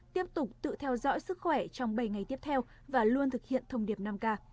tiếp tục tự theo dõi sức khỏe trong bảy ngày tiếp theo và luôn thực hiện thông điệp năm k